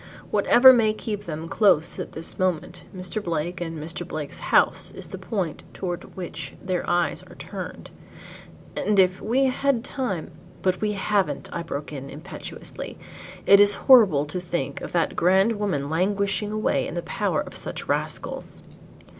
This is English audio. Whatever may keep them close at this moment, Mr. Blake and Mr. Blake's house is the point toward which their eyes are turned, and if we had time " "But we have'nt," I broke in impetuously. "It is horrible to think of that grand woman languishing away in the power of such rascals."